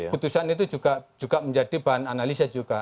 putusan itu juga menjadi bahan analisa juga